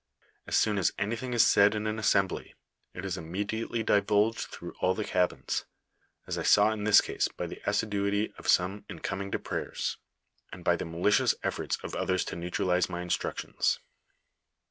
As soon as anything is said In an as sembly, it is immediately divulged through all the cabins, as I saw in this case by the assiduity of some in coining to prayers, and by tho malicious eflfbrts of othere to neutrali'^^e my instructions.